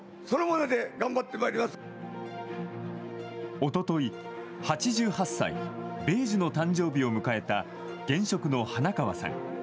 おととい、８８歳、米寿の誕生日を迎えた現職の花川さん。